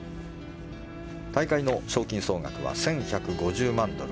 大会の賞金総額は１１５０万ドル